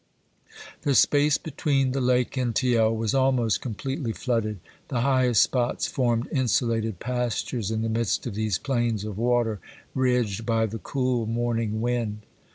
The space between the lake and Thiel was almost completely flooded; the highest spots formed insulated pastures in the midst of these plains of water ridged by the cool morning wind.